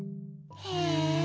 へえ。